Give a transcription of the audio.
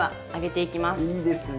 いいですね。